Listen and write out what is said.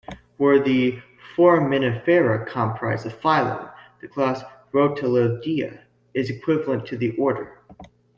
Where the Foraminifera comprise a phylum, the class Rotalidia is equivalent to the order.